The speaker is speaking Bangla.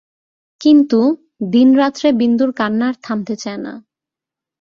কিন্তু, দিনরাত্রে বিন্দুর কান্না আর থামতে চায় না।